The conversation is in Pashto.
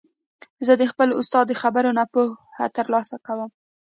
زه د خپل استاد د خبرو نه پوهه تر لاسه کوم.